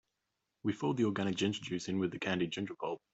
We fold the organic ginger juice in with the candied ginger pulp.